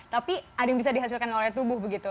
tapi ada yang bisa dihasilkan dari tubuh kita